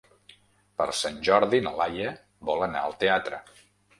Per Sant Jordi na Laia vol anar al teatre.